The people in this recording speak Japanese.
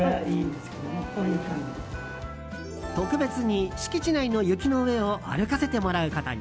特別に敷地内の雪の上を歩かせてもらうことに。